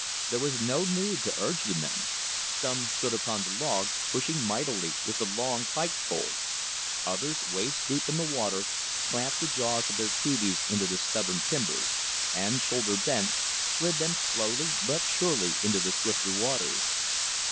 There was no need to urge the men. Some stood upon the logs, pushing mightily with the long pike poles. Others, waist deep in the water, clamped the jaws of their peaveys into the stubborn timbers, and, shoulder bent, slid them slowly but surely into the swifter waters.